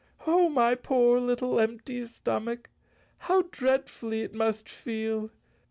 Oh, my poor little empty stomach, how dreadfully it must feel!